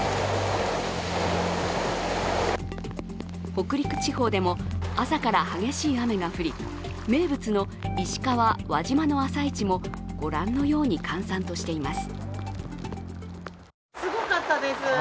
北陸地方でも朝から激しい雨が降り名物の石川・輪島の朝市もご覧のように閑散としています。